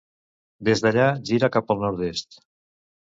Des d'allà gira cap al nord-est.